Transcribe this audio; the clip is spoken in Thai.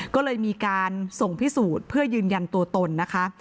ก็เลยมีการส่งพิสูจน์เพื่อยืนยันตัวตนนะคะ